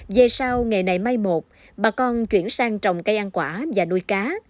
về sau nghề này mai một bà con chuyển sang trồng cây ăn quả và nuôi cá